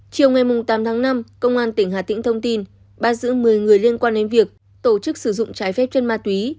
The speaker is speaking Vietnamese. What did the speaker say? chiều ngày tám tháng năm công an tỉnh hà tĩnh thông tin bắt giữ một mươi người liên quan đến việc tổ chức sử dụng trái phép chân ma túy